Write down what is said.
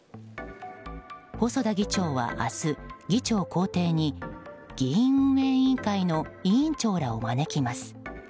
細田議長は明日、議長公邸に議院運営委員会の委員長らを招きます。